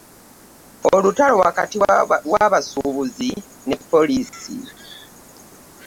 Olutalo wakati wa basubuzi ne poliisi.